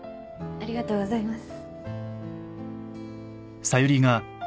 ありがとうございます。